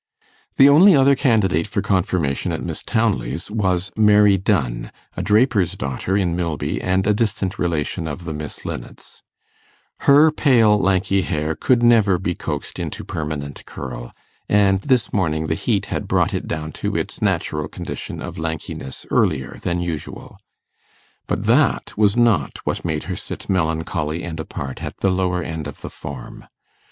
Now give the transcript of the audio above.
The only other candidate for confirmation at Miss Townley's was Mary Dunn, a draper's daughter in Milby and a distant relation of the Miss Linnets. Her pale lanky hair could never be coaxed into permanent curl, and this morning the heat had brought it down to its natural condition of lankiness earlier than usual. But that was not what made her sit melancholy and apart at the lower end of the form.